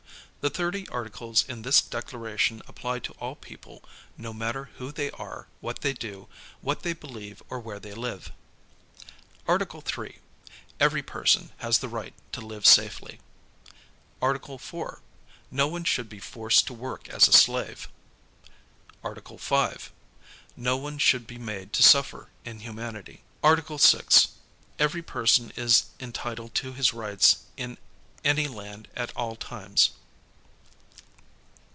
Tht thirty articles in this Declaration appl> to all people no matter who they arc, what tht y do, \\liat tlii'v believe, or where they live. Article 3. Every person has the right to live safely. Article 4. No one should be forced to work as a slave. Article 5. No one should li(> made to siilfcr inlumiaii tr< atni('iit. Article 6. Every person is entitled to his rights in ain land at all times.